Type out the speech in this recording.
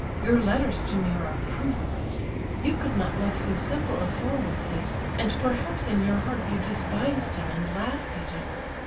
Your letters to me are a proof of it. You could not love so simple a soul as his, and perhaps in your heart you despised him and laughed at him.